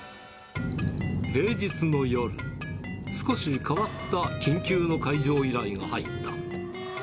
平日の夜、少し変わった緊急の解錠依頼が入った。